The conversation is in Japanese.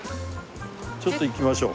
ちょっと行きましょう。